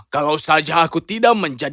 kalau saja aku tidak menjadi